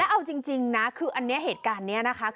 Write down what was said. แล้วเอาจริงนะอันเนี้ยเหตุการณ์เนี้ยนะคะ